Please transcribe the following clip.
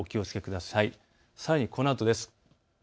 さらに、このあとです。